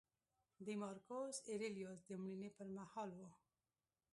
د مارکوس اریلیوس د مړینې پرمهال و